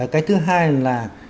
cái thứ hai là